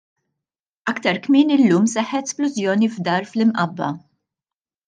Aktar kmieni llum seħħet splużjoni f'dar fl-Imqabba.